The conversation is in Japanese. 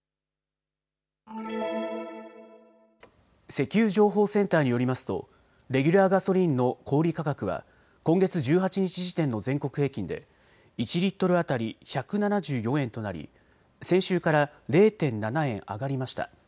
石油情報センターによりますとレギュラーガソリンの小売価格は今月１８日時点の全国平均で１リットル当たり１７４円となり先週から０．７円上がりました。